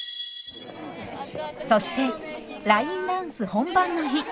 そしてラインダンス本番の日。